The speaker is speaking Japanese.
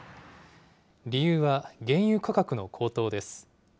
理由は原油価格の高騰です。